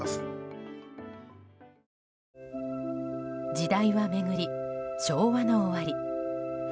時代は巡り、昭和の終わり。